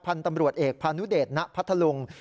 พันธุ์ตำรวจเอกพานุเดชนะพัทธลุง